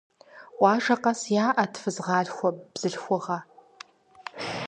Къуажэ къэс яӏэт фызгъалъхуэ бзылъхугъэхэр.